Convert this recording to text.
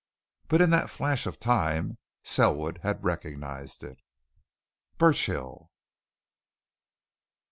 But in that flash of time Selwood had recognized it. Burchill!